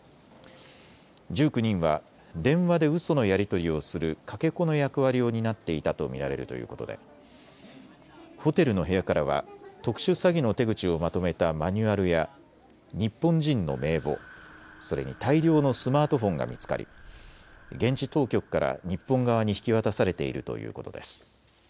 １９人は電話でうそのやり取りをするかけ子の役割を担っていたと見られるということでホテルの部屋からは特殊詐欺の手口をまとめたマニュアルや日本人の名簿、それに大量のスマートフォンが見つかり現地当局から日本側に引き渡されているということです。